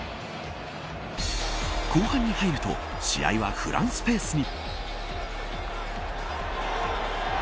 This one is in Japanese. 後半に入ると試合はフランスペースに。